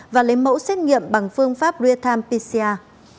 và lấy mẫu xét nghiệm bằng phương pháp real time pcr